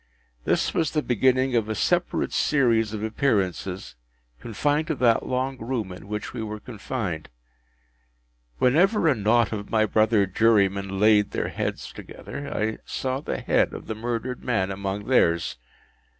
This was the beginning of a separate series of appearances, confined to that long room in which we were confined. Whenever a knot of my brother jurymen laid their heads together, I saw the head of the murdered man among theirs.